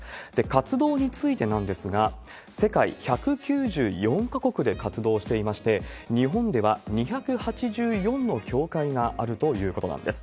活動についてなんですが、世界１９４か国で活動していまして、日本では２８４の教会があるということなんです。